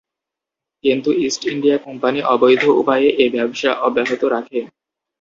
কিন্তু East India Company অবৈধ উপায়ে এ ব্যবসা অব্যাহত রাখে।